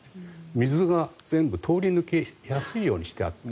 水が全部通り抜けしやすいようになっていて。